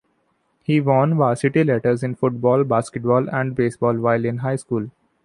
He won varsity letters in football, basketball and baseball while in high school.